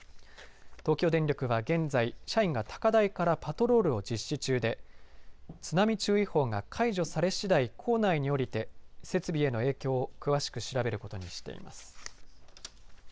東京電力は現在社員が高台からパトロールを実施中で津波注意報が解除されしだい構内に降りて設備への影響を詳しく調べることにしています。